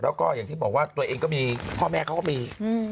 แล้วก็อย่างที่บอกว่าตัวเองก็มีพ่อแม่เขาก็มี